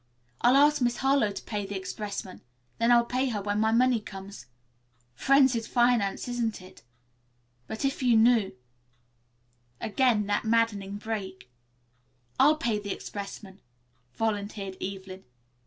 I'll ask Miss Harlowe to pay the expressman. Then I'll pay her when my money comes. Frenzied finance, isn't it? But if you knew " Again that maddening break. "I'll pay the expressman," volunteered Evelyn.